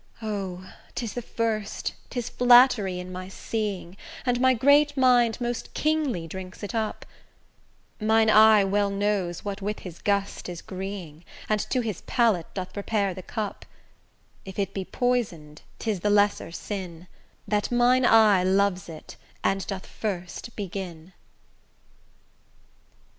O! 'tis the first, 'tis flattery in my seeing, And my great mind most kingly drinks it up: Mine eye well knows what with his gust is 'greeing, And to his palate doth prepare the cup: If it be poison'd, 'tis the lesser sin That mine eye loves it and doth first begin.